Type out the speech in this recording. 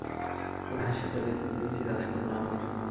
ওর হাসিটা দেখুন, পিচ্চি রাজকন্যা আমার।